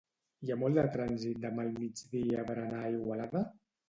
Hi ha molt de trànsit demà al migdia per a anar a Igualada?